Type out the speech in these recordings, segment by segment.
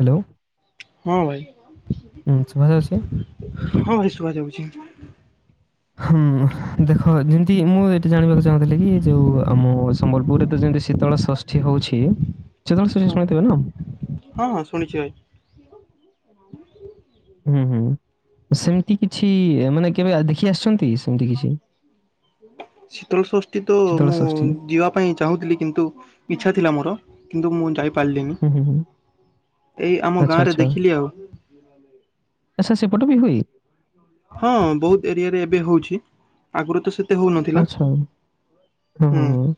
Hello ହଁ ଭାଇ ଉଁ ଶୁଭାଯାଉଛି। ହଁ ଭାଇ ଶୁଭାଯାଉଚି। ହୁଁ ଦେଖ ଯେମତି ମୁଁ ଏଇଠି ଜାଣିବାକୁ ଚାହୁଥିଲି କି ଯୋଉ ଆମ ସମ୍ବଲପୁରରେ ତ ଯେମତି ଶୀତଳ ଷଷ୍ଠୀ ହୋଉଛି ଶୀତଳଷଷ୍ଠୀ ଶୁଣିଥିବେ ନା। ହଁଅଁ ଶୁଣିଚି ଭାଇ। ହୁଁ ହୁଁ। ସେମିତି କିଛି ମାନେ କେବେ ଆ ଦେଖି ଆସିଛନ୍ତି କି? ସେମିତି କିଛି। ଶୀତଳଷଷ୍ଠୀ ତ ଶୀତଳ ମୁଁ ଷଷ୍ଠୀ? ଯିବା ପାଇଁ ଚାହୁଁଥିଲି। କିନ୍ତୁ ଇଚ୍ଛା ଥିଲା ମୋର, କିନ୍ତୁ ମୁଁ ଯା ପାରିଲିନି। ହୁଁ ହୁଁ ହୁଁ ଏଇ ଆମ ଆଚ୍ଛା ଗାଁରେ ଆଚ୍ଛା ଦେଖିଲି ଆଉ। ଆଚ୍ଛା, ସେପଟ ବି ହୁଏ? ହଁ। ବହୁତ ଏରିଆ ରେ ଏବେ ହଉଛି। ଆଗରୁ ତ ସେ ଆଚଛା। ହୁଁ ହୁ।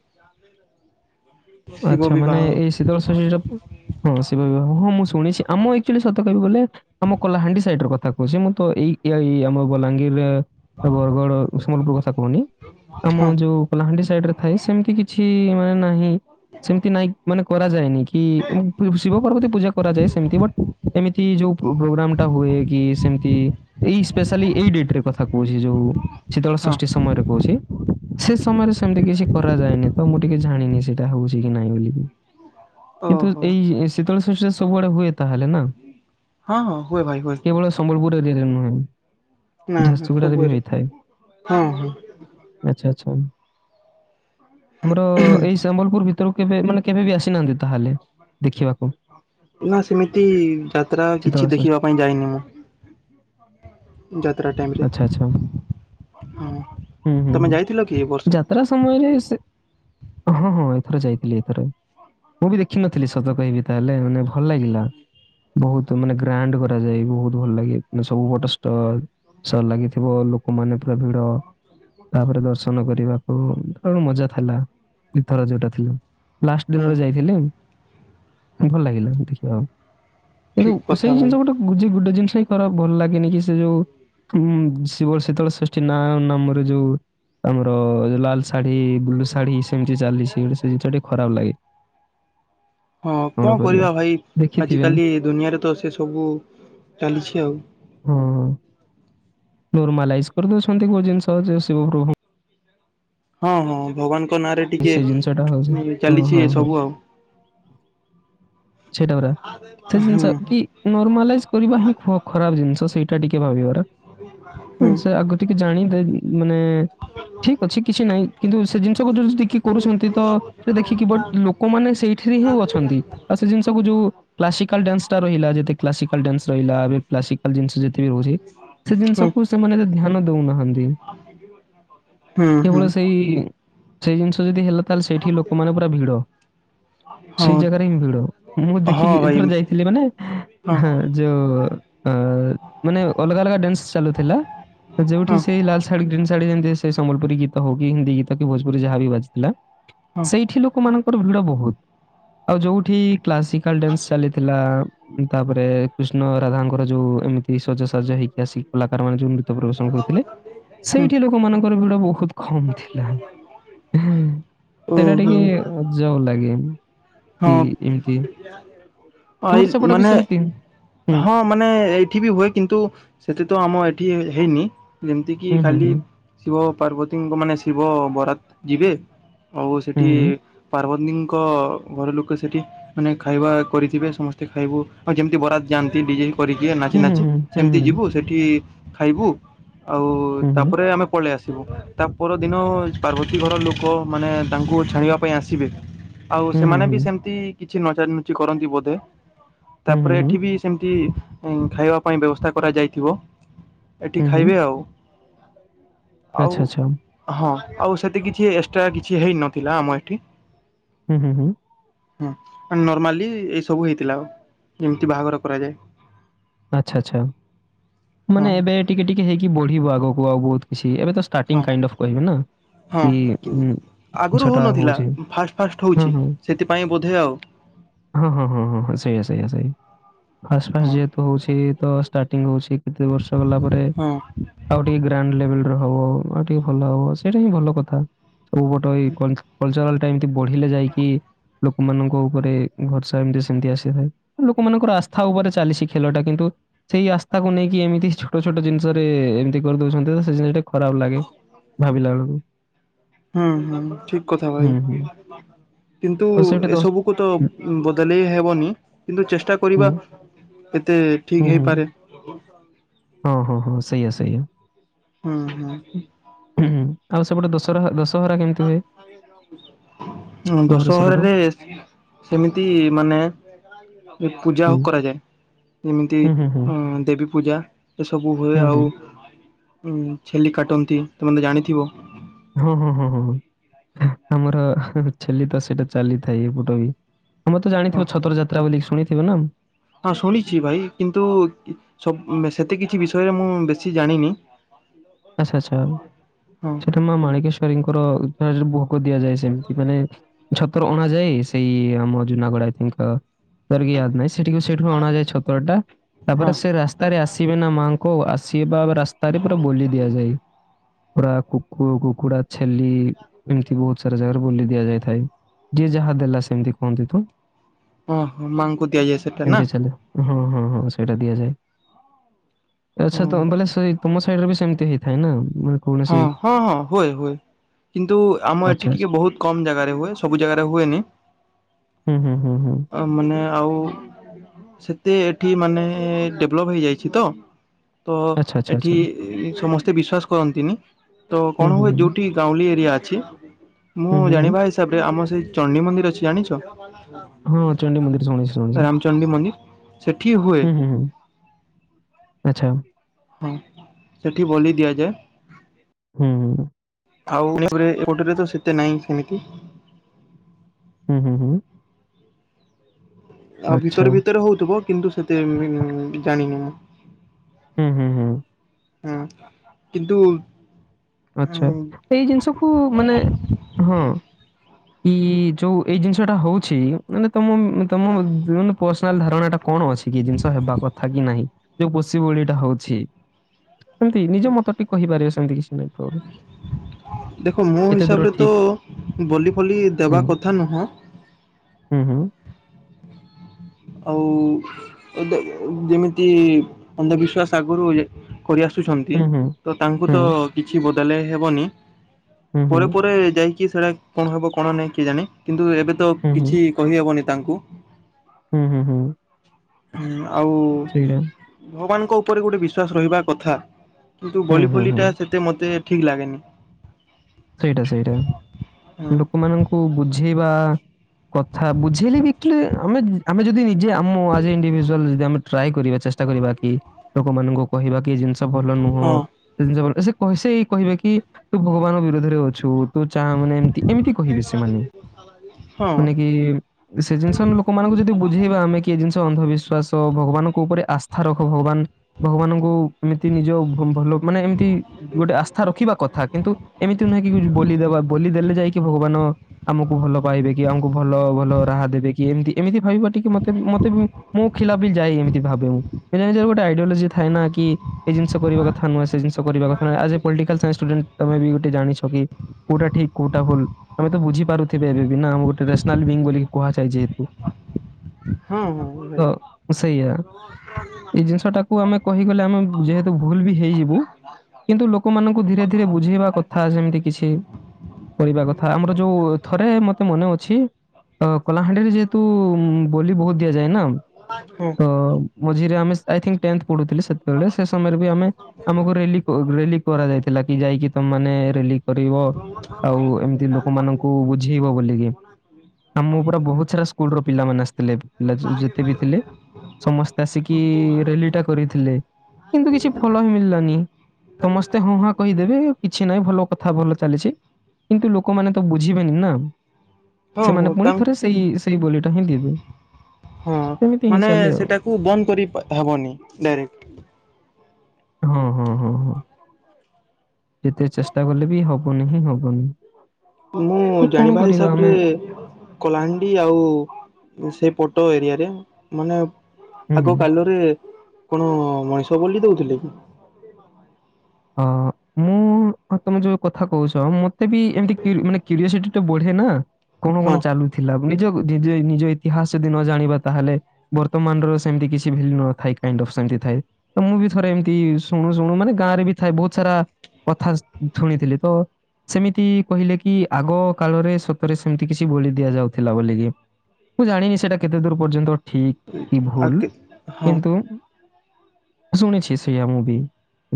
ଶିବ ଆଚ୍ଛା। ମାନେ ବିବାହ ଏଇ ଶୀତଳଷଷ୍ଠୀ ପୂଜାକୁ ହଁ, ଶିବ ବିବାହ। ହଁ ମୁଁ ଶୁଣିଛି, ଆମ ଆକଚୁଆଲି ସତ କହିବାକୁ ଗଲେ ଆମ କଳାହାଣ୍ଡି ସାଇଡରେ କଥା କହୁଚି। ମୁଁ ତ ଏଇ ଏଇ ଆମ ବଲାଙ୍ଗୀର ବରଗଡ ସମ୍ବଲପୁର କଥା କହୁନି [unintelligible] ଆମ ହଁ ଯୋଉ କଲାହାଣ୍ଡି ସାଇଡ୍ ରେ ଥାଏ ସେମିତି କିଛି ମାନେ ନାହିଁ ସେମତି ନାଇଁ ମାନେ କରାଯାଏନି କି ଶିବ ପାର୍ବତୀ ପୂଜା କରାଯାଏ। ସେମିତି ବଟ୍ ଏମିତି ଯୋଉ ପୋ ପ୍ରୋଗ୍ରାମ ଟା ହୁଏ କି ସେମିତି ଏଇ ସ୍ପେଶାଲି ଏଇ ଡେଟରେ କଥା କହୁଚି ଯୋଉ ଶୀତଳ ହଁ ଷଷ୍ଠୀ ସମୟରେ କହୁଚି। ହଁ ସେ ସମୟରେ ସେମିତି କିଛି କରାଯାଏନି। ତ ମୁଁ ଟିକେ ଜାଣିନି ସେଇଟା ହଉଛି କି ନାଇଁ ବୋଲିକି। କିନ୍ତୁ ଓହୋ। ଏଇ ଶୀତଳ ସଷ୍ଠୀ ଟା ସବୁଆଡେ ହୁଏ ତାହେଲେ ନା। ହଁ ହଁ ହୁଏ ଭାଇ ହୁଏ। କେବଳ ସମ୍ବଲପୁର ଏରିଆରେ ନୁହେଁ ନା ନା ଝାରସୁଗୁଡ଼ାରେ ବି ସବୁରେ ହୋଇଥାଏ। ହଁ ହଁ। ଆଚ୍ଛା, ଆଚ୍ଛା। ଆମର ଏଇ ସମ୍ବଲପୁର ଭିତ ତରୁକୁ କେବେ ମାନେ କେବେ ବି ଆସିନାହାନ୍ତି? ତାହେଲେ ଦେଖିବାକୁ ନାଁ, ସେମିତି ଯାତ୍ରା ଶୀତଳ କିଛି ଷଷ୍ଠୀ? ଦେଖିବା ପାଇଁ ଯାଇନୁ ଯାତ୍ରା ଟାଇମ୍ ରେ। ଆଚ୍ଛା ଆଚ୍ଛା ହୁଁ ହୁଁ ହୁଁ ତମେ ଯାଇଥିଲ କି ଏ ବର୍ଷ? ଯାତ୍ରା ହଁ ହଁ, ଏଥର ଯାଇଥିଲି ଏଥର। ମୁଁ ବି ଦେଖିନଥିଲି ସତ କହିବି ତାହାଲେ ମାନେ ଭଲ ଲାଗିଲା। ବହୁତ ମାନେ ଗ୍ରାଣ୍ଡ କରାଯାଏ। ବହୁତ ଭଲ ଲାଗେ। ମାନେ ସବୁ ପଟ ଷ୍ଟଲ ଷ୍ଟଲ ଲାଗିଥିବ ଲୋକମାନେ ପୁରା ଭିଡ ତାପରେ ଦର୍ଶନ କରିବାକୁ ତାର ମଜା ଥିଲା। ଏଥର ଯୋଉଟା ଥିଲା। ଲାଷ୍ଟ ହୁଁ ଦିନରେ ଯାଇଥିଲି। ଭଲ ଲାଗିଲା ଦେଖିବାକୁ। ଠିକ କିନ୍ତୁ କଥା ସେଇ ଭାଇ ଜିନିଷ ଗୋଟେ ଗୁଜି ଗୁଡ଼େ ଜିନିଷ ହିଁ ତାର ଖରାପ ଭଲ ଲାଗେନି କି ସେ ଯୋଉ ହଁ, ଶିବ ଶୀତଳ ଷଷ୍ଠୀ ନା ନାମରେ ଯୋଉ ଆମର ଲାଲ୍ ଶାଢୀ, ବ୍ଲୁ ଶାଢୀ ସେମିତି ଚାଲିଛି। ଗୋଟେ ସେ ଜିନିଷ ଟିକେ ଖରାପ ଲାଗେ। ହଁ, କଣ କରିବା ଭାଇ ଦେଖିଥିବେ ନା ଆଜିକାଲି ଦୁନିଆରେ ତ ସେ ସବୁ ଚାଲିଛି ଆଉ। ହଁ। ନର୍ମାଲାଇଜ୍ କରିଦଉଛନ୍ତି କୋଉ ଜିନିଷ ଯେ ଶିବପ୍ରଭୁ ହଁ, ହଁ ଭଗବାନଙ୍କ ନାଁରେ ଟିକେ ସେ ଜିନିଷଟା ହଉଛି ଉଁ ହଁ ଚାଲିଛି ହଁ ହଁ ସବୁ ଆଉ। ହୁଁ। ନର୍ମାଲାଇଜ୍ କରିବା ହିଁ ଖ ଖରାପ ଜିନିଷ ସେଇଟା ଟିକେ ଭାବିବାର। ହୁଁ ସେ ଆଗ ଟିକେ ଜାଣିତେ ମାନେ ଠିକ୍ ଅଛି କିଛି ନାହିଁ। କିନ୍ତୁ ସେ ଜିନିଷକୁ ଯଦି କିଏ କରୁଛନ୍ତି ତ ସେ ଦେଖିକି ବଟ୍ ଲୋ ଲୋକମାନେ ସେଇଥିରେ ହିଁ ସବୁ ଅଛନ୍ତି। ଆଉ ସେ ଜିନିଷକୁ ଯୋଉ କ୍ଲାସିକାଲ ଡାନ୍ସଟା ରହିଲା। ଯେତେ କ୍ଲାସିକାଲ ଡାନ୍ସ ରହିଲା। ଏବେ ପ୍ଲାସିକାଲ ଜିନିଷ ଯେତେ ବି ରହୁଚି ସେ ହୁଁ ଜିନିଷକୁ ସେମାନେ ଏତେ ଧ୍ୟାନ ଦଉନାହାନ୍ତି। ହୁଁ ହୁଁ। ଇ ସେଇ ଜିନିଷ ଯଦି ହେଲା ତାହେଲେ ସେଇଠି ଲୋକମାନେ ପୁରା ଭିଡ। ହଁ ସେଇ ଜାଗାରେ ହିଁ ଭି। ମୁଁ ହଁ ଦେଖିକି ଭାଇ ଏଥର ଯାଇଥିଲି ମାନେ ହଁ। ଯୋଉ ଅ ମାନେ ଅଲଗା ଅଲଗା ଡାନ୍ସ ଚାଲୁଥିଲା ଯୋଉଠି ହଁ ସେଇ ଲା। ଶାଢୀ ଗ୍ରୀନ୍ ଶାଢୀ ଯେମିତି ସେ ସମଲପୁରୀ ଗୀତ ହଉ କି ହିନ୍ଦୀ ଗୀତ କି ଭୋଜପୁରି ଯାହା ବି ବାଜିଥିଲା। ହଁ ସେଇଠି ଲୋକ ମାନଙ୍କର ଭିଡ ବହୁତ୍ ଆଉ ଯୋଉଠି। କ୍ଲାସିକାଲ ଡ୍ୟାନ୍ସ ଚାଲିଥିଲା ତାପରେ କୃଷ୍ଣ ରାଧାଙ୍କର ଯୋଉ। ଏମିତି ସଜସାଜ ହେଇକି ଆସି କଲାକାର ମାନେ ଯଉ ନୃତ୍ୟ ପ୍ରଦର୍ଶନ କରୁଥିଲେ। ହୁଁ ସେଇଠି ଲୋକମାନଙ୍କର ଭିଡ ବହୁତ କମ୍। ଥିଲା ସେଟା ଓହୋ ଟିକେ ଅଜବ ଲାଗେ। ହଁ କି ଏମିତି ତମର ଆଇଲ୍ ସେପଟେ ବି ମାନେ ସେମିତି? ହୁଁ, ହଁ। ମାନେ ଏଇଠି ବି ହୁଏ କିନ୍ତୁ ସେଠି ତ ଆମ ଏଠି ହେଇନି ଯେମିତି କିି ହୁଁ, ଖାଲି। ହୁଁ, ଶିବ ପାର୍ବତୀଙ୍କ ମାନେ ଶିବ ବରାତ ଯିବେ ଆଉ ସେଠି। ନି ଙ୍କ ଘର ଲୋକ ସେଠି ମାନେ ଖାଇବା କରିଥିବେ ସମସ୍ତେ ଖାଇବୁ ହଁ ଯେମିତି ବରାତ୍ ଯାଆନ୍ତି ଡିଜେ। କରିକି ନାଚି ହୁଁ, ହୁଁ, ନାଚି ହୁଁ, ସେମିତି ଯିବୁ ହୁଁ, ସେଠି ଖାଇବୁ ଆଉ ହୁଁ, ତାପରେ ଆମେ। ପଳେଇ ଆସିବ ତା ପରଦିନ ପାର୍ବତୀ ଘର ଲୋକମାନେ ତାଙ୍କୁ ଛାଡିବା ପାଇଁ ଆସିବେ। [inaudible] ଆଉ ସେମାନେ ବି ହୁଁ, ସେମିତି କିଛି ନଚାନୁଚି କରନ୍ତି ବୋଧେ ହୁଁ, ହୁଁ, ହୁଁ, ହୁଁ, ତାପରେ ଏଠି ବି ସେମତି ଖାଇବା ପାଇଁ ବ୍ୟବସ୍ଥା କରାଯାଇଥିବ ଏଠି ହୁଁ, ହୁଁ, ହୁଁ ଖାଇବେ ଆଉ। ଆଉ ଆଚ୍ଛା, ଆଚ୍ଛା, ହଁ ଆଉ ସେତ କିଛି ଏକ୍ସଟ୍ରା କିଛି ହେଇନଥିଲା ଆମ ଏଠି। ହୁଁ ହୁଁ। ହୁଁ ନର୍ମାଲି ଏଇସବୁ ହେଇଥିଲା ଆଉ ଯେମିତି ବାହାଘର କରାଯାଏ। ଆଚ୍ଛା ଆଛା ହଁ ମାନେ ଏବେ ଟିକେ ଟିକେ ହେଇକି ବଢିବ ଆଗକୁ ଆଉ ବହୁତ କିଛି ଏବେ ତ ହଁ ଟିଙ୍ଗ କାଇଣ୍ଡ ଅଫ୍ କହିବେ ନା। ହଁ କି ଉଁ, ଆଗରୁ ଜିନିଷଟା ହଉନଥିଲା ହଉଛି। ଫାଷ୍ଟ ଫାଷ୍ଟ ହଁ, ହଉଛି ହଁ। ସେଥିପାଇଁ ବୋଧେ ଆଉ। ହଁ ହଁ ହଁ ହଁ ହଁ ସେଇଆ ସେଇଆ ସେ ଆଶପା ହଁ ଯେ ହଉଛି ତ ଷ୍ଟାର୍ଟିଂ ହଉଚି କେତେ ବର୍ଷ ଗଲା ପରେ ହଁ ଆଉ ଟିକେ ଗ୍ରାଣ୍ଡ ଲେବଲ ର ହବ ଆଉ ଟିକେ ଭଲ ହବ ସେଇଟା ହିଁ ଭଲ କଥା। ସବୁ ପଟ ଏଇ କଲଚରାଲ ଟା ଏମତି ବଢିଲେ ଯାଇକି ଲୋକମାନଙ୍କ ଉପରେ ଘର୍ସା ଏମିତି ସେମତି ଆସିଥାଏ ଲୋକମାନଙ୍କ ଆସ୍ଥା ଉପରେ ଚାଲିଛି। ଖେଳ ଟା କିନ୍ତୁ ସେଇ ଆସ୍ଥାକୁ ନେଇକି ଏମିତି ଛୋଟ ଛୋଟ ଜିନିଷରେ ଏମିତି କରିଦଉଛନ୍ତି ସେ ଜିନିଷଟା। ଖରାପ ଲାଗେ ଭାବିଲା ବେଳକୁ ହୁଁ ହୁଁ ଠିକ କଥା ଭାଇ ହୁଁ ହୁଁ। କିନ୍ତୁ ତ ସେଇଠି ଦଶ ଏସବୁ କୁ ତ ହୁଁ ବଦଳେଇ ହେବନି କିନ୍ତୁ ଚେଷ୍ଟା ହୁଁ କରିବା ଏତେ ହୁଁ ଠିକ ହୁଁ ହେଇପାରେ। ହଁ ହଁ ହଁ ସେଇଆ ସେଇଆ। ହୁଁ ହୁଁ। ହଁଁ ଆଉ ସେପଟେ ଦଶରା ଦଶହରା କେମିତି ହୁଏ ହଁ ଆମର ସେପଟ ଦଶହରାରେ ସେମିତି ମାନେ ପୂଜା ହୁଁ କରାଯାଏ ଯେମିତି ହୁଁ ହୁଁ ହୁଁ ଅ ଦେବୀ ପୂଜା। ଏସବୁ ହୁଏ ହୁଁ ହୁଁ ଆଉ ଛେଲି କାଟନ୍ତି ତମେ ତେ ଜାଣିଥିବ। ହଁ ହଁ ହଁ ହଁ ଆମର ଛେଲି ତ ସେଇଟା ଚାଲିଥାଏ ଏପଟ ବି। ଆମେ ତ ହଁ ଜାଣିଥିବ ଛତର ଯାତ୍ରା ବ ଶୁଣିଥିବ ନା? ହଁ ଶୁଣିଚି ଭାଇ କିନ୍ତୁ ସବ ସେତେ କିଛି ବିଷୟରେ ମୁଁ ବେଶୀ ଜାଣିନି। [inaudible] ଆଚ୍ଛା ଆଚ୍ଛା ହଁ ସେଟା ମା ମାଣିକେଶ୍ଵରୀଙ୍କର ଫାଷ୍ଟ ଭୋଗ ଦିଆଯାଏ ସେମିତି ମାନେ ଛତର ଅଣା ଯାଏ ସେଇ ଆମ ଜୁନାଗଡ [unintelligible] ସେଠିକୁ ସେଇଠୁ ଅଣାଯାଏ ଛତ୍ର ଟା ହଁ ତାପରେ ସେ ରାସ୍ତା ଆରେ ଆସିବେ ନା ମାଆଙ୍କୁ ଆସ ବା ରାସ୍ତାରେ ପୁର ବୋଲି ଦିଆଯାଏ। ପୁରା କୁକୁ କୁକୁଡା ଛେଲି ଏମିତି ବହୁତ ସାରା ଜାଗାରେ ବୋଲି ଦିଆଯାଇଥାଏ ଯିଏ ଯାହା ଦେଲା ସେମିତି କୁହନ୍ତି ତ। ଓହୋ ମାଆଙ୍କୁ ଦିଆଯାଏ ସେଟା ସେମିତି ନା? ଚାଲେ ହଁ ହଁ ହଁ ସେଇଟା ଦିଆଯାଏ ହଁ ଆଛା ତମ ଵଲେ ସେଇ ତୁମ ସାଇଡ ରେ ବି ସେମି ତି ହେଇଥାଏ ନା ବ ହଁ ହଁ ହଁ ହୁଏ ହୁଏ। କିନ୍ତୁ ଆମ ଆଚ୍ଛା ଏଠି ଆଚ୍ଛା ଟିକେ ବହୁତ କମ ଜାଗାରେ ହୁଏ ସବୁ ଜାଗାରେ ହୁଏନି। ହୁଁ ହୁଁ ହୁଁ ହୁଁ। ଆ ମାନେ ଆଉ ସେତେ ଏଠି ମାନେ ଡେଭଲପ୍ ହେଇଯାଇଚି ତ। ତ ଆଚ୍ଛା ଆଚ୍ଛା ଏଠି ଆଚ୍ଛା ସମସ୍ତେ ବିଶ୍ଵାସ କରନ୍ତିନି ତ ହୁଁ କଣ ହୁଁ ହୁଏ ହୁଁ ଯୋଉଠି ଗାଉଁଲି ଏରିଆ ଅଛି ହୁଁ ମୁଁ ହୁଁ ହୁଁ। ଜାଣିବା ହି ହିସାବରେ ଆମର ସେଇ ଚଣ୍ଡୀ ମନ୍ଦିର ଅଛି ଜାଣିଚ? ହଁ ଚଣ୍ଡୀ ମନ୍ଦିର ସୁଣିଚି ଶୁନୀଚି ମନ୍ଦିର? ସେଠି ହୁଏ ହୁଁ ହୁଁ ହୁଁ। ଆଚ୍ଛା। ହଁ ସେଠି ବଲି ଦିଆଯାଏ। ହୁଁ। ଆଉ ଏପଟରେ ତ ସେତେ ନାହିଁ ସେମିତି ହୁଁ ହୁଁ ହୁଁ। ଆଉ ଆଚ୍ଛା ଭିତରେ ଭିତରେ ହଉଥିବ କିନ୍ତୁ ସେତେ ଇମ୍ ଜାଣିନି ମୁଁ ହୁଁ ହୁଁ ହୁଁ। ହଁ କିନ୍ତୁ ଆଛା। ଏଇ ଜିନିଷକୁ ମାନେ ହଁ ଏଇ କି ଯୋଉ ଏଇ ଜିନିଷଟା ହଉଛି ମାନେ ତମ ମମ୍ ତମ ମାନେ ପର୍ସନାଲ ଧାରଣା ଟା କଣ ଅଛି କି ଜିନିଷ ହେବା କଥା କି ନାହିଁ? ଯୋଉ ପଷି ବଳିଟା ହଉଛି ସେମିତି ନିଜ ମତ ଟିକେ କହିପାରିବ ସେମିତି କିଛି ନାଇଁ ପ୍ରୋବ୍ଲେମ। ଦେଖ ମୋ ହିସାବରେ ତ ଠିକ୍ ବଲି ଫଲି ହୁଁ, ଦେବା କଥା ନୁହଁ ହୁଁ ହୁଁ। ଆଉ ଏଦେ ଯେମିତି ଅନ୍ଧବିଶ୍ଵାସ ଆଗରୁ କରିଆସୁଛନ୍ତି ହୁଁ, ହୁଁ, ତ ତାଙ୍କୁ ତ ହୁଁ, କିଛି ବଦଳାଇ ହେବନି ହୁଁ, ହୁଁ, ହୁଁ, ପରେ ପରେ ଯାଇକି ସେଟା କଣ ହବ କଣ ନାହିଁ କିଏ ଜାଣେ କିନ୍ତୁ ଏବେ ତ ହୁଁ, କିଛି କହିହବନି ତାଙ୍କୁ ହୁଁ ହୁଁ ହୁଁ। ହଁ ଆଉ ସେଇଟା। ଭଗବାନଙ୍କ ଉପରେ ଗୋଟେ ବିଶ୍ଵାସ ରହିବା କଥା। କିନ୍ତୁ ହୁଁ, ବଲି ହୁଁ, ଫଲି ହୁଁ, ଟା ସେତେ ମୋତେ ଠିକ ଲାଗେନି। ସେଇଟା ସେଇଟା ହଁ ଲୋକମାନଙ୍କୁ ବୁଝେଇବା କଥା ବୁଝେଇଲେ ବି କ୍ଲୀ ଆମେ ଆମେ ଯଦି ନିଜେ ଆମ ଆଜ୍ ଏ ଇଣ୍ଡିଜୁଆଲ ଯଦି ଆମେ ଟ୍ରାଏ କରିବା ଚେଶ୍ ଷ୍ଟା କରିବା କି ଲୋକମାନଙ୍କୁ କହିବା କି ଜିନିଷ ଭଲ ନୁହଁ ହଁ ସେ ଜିନିଷ ଭଲ ସେ କସ କହିବେ କି ତୁ ଭଗବାନ ବି ଧୀରେ ଧରେ ଅଛୁ ତୁ ଚା ମାନେ ଏମତି ଏମିତି କହିବେ ସେମାନେ ହଁ ମାନେ କି ସେ ଜିନିଷ ଲୋକମାନଙ୍କୁ ଯଦି ବୁଝେଇବା ଆମେ କିଏ ଜିନିଷ ଅନ୍ଧବିଶ୍ୱାସ ଭଗବାନଙ୍କ ଉପରେ ଆସ୍ଥା ରଖ ଭଗବାନ ଭଗବାନଙ୍କୁ ଏମିତି ନିଜ ଭଲ ମାନେ ଏମିତି ଗୋଟେ ଆସ୍ଥା ରଖିବା କଥା କିନ୍ତୁ ଏମିତି ନୁହଁ କି ବୋଲି ଦବା ବୋଲି ଦେଲେ ଯାଇକି ଭଗବାନ ଆମକୁ ଭଲ ପାଇବେ କି ଆମକୁ ଭଲ ଭଲ ରାହା ଦେବେ କି ଏମତି ଏମିତି ଭାବିବ ଟିକେ ମତେ ମତେ ବି ମୁ ଖିଲାପ ଯାଏ ଏମିତି ଭାବେ ମୁଁ [inaudible] ଗୋଟେ ଆଇଡିଓଲୋଜି ଥାଏ ନା କି ଏ ଜିନିଷ କରିବା କଥା କଥା ନୁହଁ ସେ ଜିନିଷ କରିବା କଥା ନ। As a political science student ତମେ ବି ଗୋଟେ ଜାଣିଛ କି। କେଉଟା ଠିକ କଉଟା ଭୁଲ। ଆମେ ତ ବୁଝିପାରୁଥିବେ ଏବେ ବି ନା ଆମେ ଗୋଟେ ନେସନାଲ ବିଙ୍ଗ ବୋଲି କୁହାଯାଏ ଯେହେତୁ ହଁ! ହଁ ଭାଇ ତ ସେଇଆ। [inaudible] ଏଇ ଜିନିଷ ଟାକୁ ଆମେ କହିଗଲେ ଆମେ ଯେହେତୁ ଭୁଲ ବି ହେଇଯିବୁ କିନ୍ତୁ ଲୋକମାନଙ୍କୁ ଧୀରେ ଧୀରେ ବୁଝେଇବା କଥା ସେମିତି କିଛି କରିବା କଥା ଆମର ଯୋଉ ଥରେ ମତେ ମନେ ଅଛି କଳାହାଣ୍ଡିରେ ଯେହେତୁ ବୋଲି ବୋହୁତ ଦିଆଯାଏ ନା ହଁ ତ ମଝିରେ ଆମେଇ ଅଇ ଥିଙ୍କ ଟେଁଥ ପଢୁଥିଲଥିଲେ ସେତେବେଳେ ସେ ସମୟରେ ବି ଆମେ ଆମକୁ ରେଲି ରେଲି କରାଯା ଯାଇଥିଲା କି ଯାଇକି ତମେ ମାନେ ରେଲି କରିବ ଆଉ ଏମିତି ଲୋକମାନଙ୍କୁ ବୁଝେଇବ ବୋଲିକି ଆ ମୋ ପୁରା ବୋହୁତ ସାରା ସ୍କୁଲ ର ପିଲାମାନୋନ ଆସିଥିଲେ ପିଲା ଯେତେ ବି ଥିଲେ। ସମସ୍ତେ ଆସିକି ରେଲି ଟା କରିଥିଲେ କିନ୍ତୁ କିଛି ଫଳ ହିଁ ମିଳିଲାନି। ତମସ୍ତେ ହଁ ହାଁ କହିଦେବେ କିଛି ନହିଁ ଭଲ କଥା ଭଲ ଚାଲିଛି କିନ୍ତୁ ଲୋକମାନେ ତ ବୁଝିବେନି ନା ହଁ ହଉ ସେମାନେ ପୁଣି ଥରେ ତାଙ୍କ - ସେଇ ସେଇ ବୋଲିଟା ହିନ୍ଦ ଦ ହଁ ମାନେ ସେଟାକୁ ବନ୍ଦ କରି ହେବନି ଡାଇରେକ୍ଟ ହଁ- ହଁ -ହଁ -ହଁ, ଯେତେ ଚେଷ୍ଟା କଲେ ବି ହବନି ହିଁ ହବନି। ମୁଁ ତ କଣ ଜାଣିବା କରିବା ଆମେ ହିସାବରରେ କଳାହାଣ୍ଡି ଆଉ ସେଇ ପଟ ଏରିଆରେ ମାନେ। ହୁଁ ହୁଁ ଆଗ କାଲରେ କଣ ମଣିଷ ବଳି ଦଉଥିଲେ କି? ହଁ, ମୁଁ ତମେ ଯୋଉ କଥା କହୁଛ। ମତେ ବି ଏମିତି କି କି୍ୟରିଓସିଟି ଟ ବଢେ ନା। କ କଣ ହଁ ଚାଲୁ- ଥିଲା ନିଜ -ନିଜ -ନିଜ ଇତିହାସ ଯଦି ନ ଜାଣିବା ତାହେଲେ ବର୍ତ୍ତମାନର ସେମିତି କିଛି ଭାଲ୍ୟୁ ନଥାଏ କାଇ ଅଫ୍ ସେମିତି ଥାଏ। ତ ମୁଁ ବି ଥରେ ଏମିତି ଶୁଣୁ ଶୁଣୁ ମାନେ ଗାଁରେ ବି ଥା ବୋହୁତ ସାରା କଥା ଶୁଣିଥିଲି ତ। ସେମିତି କହିଲେ କି ଆଗ କାଳରେ ସତରେ ସେମିତି କିଛି ବଳି ଦିଆଯାଉଥିଲା ବୋଲିକି। ମୁଁ ଜାଣିନି ସେଟା କେତେ ଦୂର ପର୍ଯ୍ୟନ୍ତ ଠିକ କି ଆ ଭୁଲ ହଁ ହଁ କିନ୍ତୁ ଶୁଣିଛି ସେଇୟା ମୁଁ ବି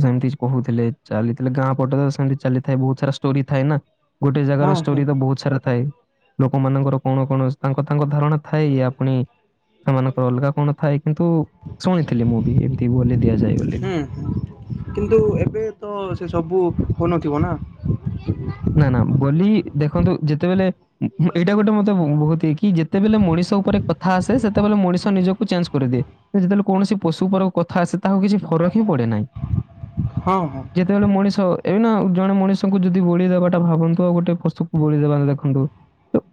ସେମିତି କହୁଥିଲେ। ଚାଲିଥିଲେ ଗାଁ ପଟେ ତ ସେମିତି ଚାଲି ଥାଏ ବୋହୁତ ସାରା ଷ୍ଟୋରି ଥାଏ ନା। ଗୋଟେ ଜାଗାର ହଁ ହୁଁ ଷ୍ଟୋରି ତ ବୋହୁତ ସାରା ଥାଏ। ଲୋକମାନଙ୍କର କଣ -କଣ ତାଙ୍କ -ତାଙ୍କ ଧାରଣା ଥାଏ ଆପଣି। ସେମାନଙ୍କର ଅଲଗା କଣ ଥାଏ? କିନ୍ତୁ, ଶୁଣିଥିଲି ମୁଁ ବି ଏମିତି ବୋଲି ଦିଆଯାଏ ବୋଲି। ହୁଁ କିନ୍ତୁ ଏବେ ତ ସେ ସବୁ ହଉନଥିବ ନା। ନା ନା, ବୋଲି ଦେଖନ୍ତୁ ଯେତେବେଲେ ଏଇଟା ଗୋଟେ ମତେ ବହୁତଇ କି ଯେତେବେଲେ ମଣିଷ ଉପରେ କଥା ଆସେ ସେତେବେଲେ ମଣିଷ ନିଜକୁ ଚେଞ୍ଜ କରିଦିଏ। ସେ ଯେତେବେଳେ କୌଣସି ପଶୁ ଉପର କଥା ଆସେ ତାହାକୁ କିଛି ଫରକ ହିଁ ପଡେ ନାହିଁ। ହଁ ହଁ। ଯେତେବେଳେ ମଣିଷ, ଏବେ ନା ଜଣେ ମଣିଷଙ୍କୁ ଯୁ ଯଦି ବୋଳିଦବାଟା ଭାବନ୍ତୁ ଆଉ ଗୋଟେ ପୁସ୍ତକକୁ ବୁଳିଦ ଦେବା ଦେଖନ୍ତୁ।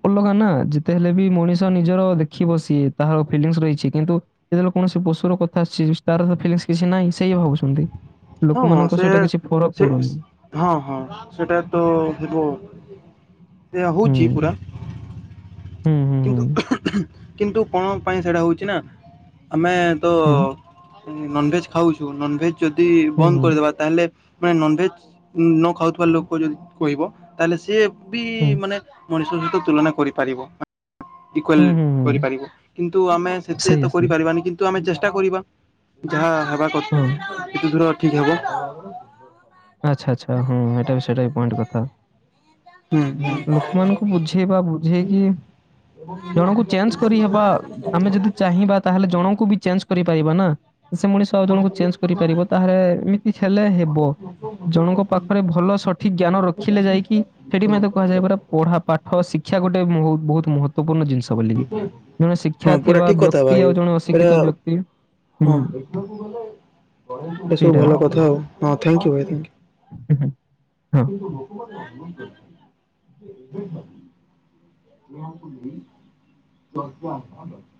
ଅଲଗା ନା, ଯେତେ ହେଲେ ବି ମଣିଷ ନିଜର ଦେଖି ବସି ତାହାର ଫିଲିଙ୍ଗସ ରହିଛି କିନ୍ତୁ ଯେତେବେଳେ କୌଣସି ପଶୁର କଥା ଆସିଛି ତାର ଫିଲସ କିଛି ନାହିଁ ସେଇ ଭାବୁଛନ୍ତି? ହଁ ହଁ ଲୋକମାନଙ୍କ ସେ ସେଇଟା କିଛି ଫରକ ସେ ପଡୁନି। ହଁ ହଁ, ସେଟା ତ ହେବ। ହଉଛି ହୁଁ, ପୁରା ହୁଁ ହୁଁ। କିନ୍ତୁ କଣ ପାଇଁ ସେଇଟା ହଉଛି ନା, ଆମେ ତ ହୁଁ, ନନଭେଜ ଖାଉଛୁ ନନଭେଜ ଯଦି ହୁଁ, ବନ୍ଦ ହୁଁ, କରିଦବା। ତାହେଲେ ମାନେ ନନଭେଜ ନ ଖାଉଥିବା ଲୋକ ଯଦି କହିବ, ତାହେଲେ ସିଏ ବି ହୁଁ, ମାନେ ମଣିଷ ସହିତ ତୁଳନା କରିପାରିବ। ହୁଁ, ହୁଁ, ଇକ୍ୱାଲ ହୁଁ। କରିପାରିବ କିନ୍ତୁ ଆମେ ସେତେ ସେଇଆ ତ ସେଇଆ। କରିପାରିବାନି, କିନ୍ ତ ଆମେ ଚେଷ୍ଟା କରିବା, ଯାହା ହେବା କ- ହଁ। [inaudible] ଠିକ ହବ। ହଁ [unintelligible] ଆଚ୍ଛା ଆଚ୍ଛା, ହଁ ଏଟା ବି ସେଟା ବି ପଏଣ୍ଟ କଥା। ହୁଁ ହୁଁ ଲୋକମାନଙ୍କୁ ବୁଝେଇ ବା ବୁଝେଇକି ଜଣଙ୍କୁ ଚେଞ୍ଜ କରିହବା, ଆମେ ଯଦି ଚାହିଁବା ତାହେଲେ ଜଣଙ୍କୁ ବି ଚେଞ୍ଜ କରିପାରିବା ନା। ସେ ମଣିଷ ଆଉ ଜଣଙ୍କୁ ଚେଞ୍ଜ କରିପାରିବ ତାହେଲେ ଏମିତି ହେଲେ ହେବ। ଜଣଙ୍କ ପାଖରେ ଭଲ ସଠିକ ଜ୍ଞାନ ରଖିଲେ ଯାଇକି, ସେଠି ମଧ୍ୟେ କୁହାଯାଏ ପୁରା ପଢା ପା ଖ ଶିକ୍ଷା ଗୋଟେ [unintelligible] ବହୁତ ମହତ୍ୱପୂର୍ଣ୍ଣ ଜିନ୍ଷ। ଛବୋଲି, ଜଣେ ହଁ ଶିକ୍ଷା ପୁରା ଥିବା ଠିକ କଥା ଭାଇ ବ୍ୟକ୍ତି ଆଉ ଜଣେ ଏଇଟା ଅଶିକ୍ଷିତ ବ୍ୟକ୍ତି ହଁ, ହୁଁ ଭିତରୁକୁ ଗଲେ, ଏ ସବୁ ଭଲ କଥା ଆଉ। ହଁ, ଥ୍ୟାଙ୍କ ୟୁ ଭାଇ ହୁଁ, ହୁଁ, ହଁ ଥ୍ୟାଙ୍କ [inaudible] [inaudible] [inaudible]